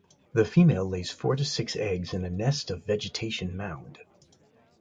The female lays four to six eggs in a nest of vegetation mound.